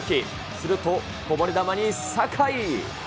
するとこぼれ球に酒井。